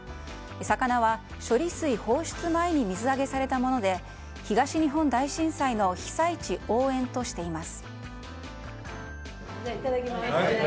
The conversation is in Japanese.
魚は処理水放出前に水揚げされたもので東日本大震災の被災地応援としています。